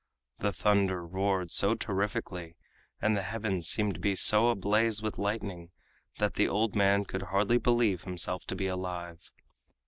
The thunder roared so terrifically, and the heavens seemed to be so ablaze with lightning, that the old man could hardly believe himself to be alive.